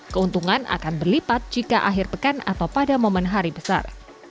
keuntungan akan berlipat jika akhir pekan atau pada momen hari besar